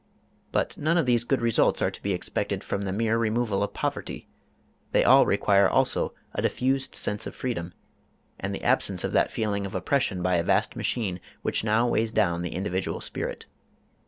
But none of these good results are to be expected from the mere removal of poverty: they all require also a diffused sense of freedom, and the absence of that feeling of oppression by a vast machine which now weighs down the individual spirit.